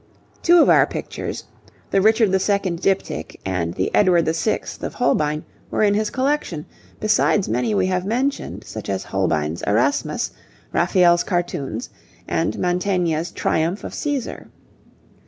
Two of our pictures, the Richard II. diptych and the Edward VI. of Holbein, were in his collection, besides many we have mentioned, such as Holbein's 'Erasmus,' Raphael's cartoons, and Mantegna's 'Triumph of Caesar.'